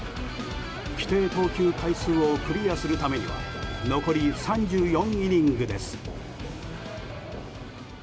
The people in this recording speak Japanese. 規定投球回数をクリアするためには残り３４イニングです。